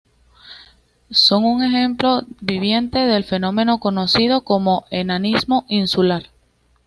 Son un ejemplo viviente del fenómeno conocido como enanismo insular.